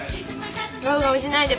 ガウガウしないで。